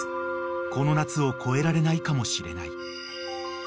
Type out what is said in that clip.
［この夏を越えられないかもしれない］